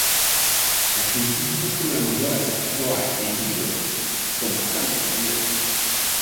La crisis de las programadoras afectó a En Vivo con bastante rapidez.